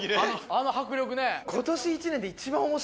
あの迫力ね。